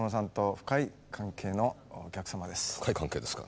深い関係ですか。